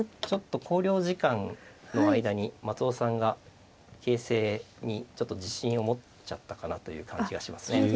ちょっと考慮時間の間に松尾さんが形勢に自信を持っちゃったかなという感じがしますね。